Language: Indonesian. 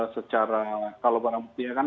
secara kalau barangkali ya kan